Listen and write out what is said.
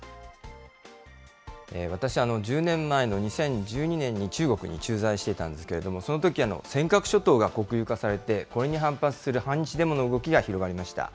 私、１０年前の２０１２年に中国に駐在していたんですけれども、そのとき、尖閣諸島が国有化されて、これに反発する反日デモの動きが広がりました。